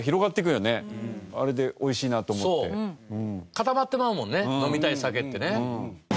固まってまうもんね飲みたい酒ってね。